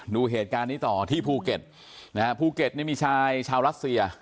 ดูเหตุการณ์นี้ต่อที่ภูเก็ตนะฮะภูเก็ตนี่มีชายชาวรัสเซีย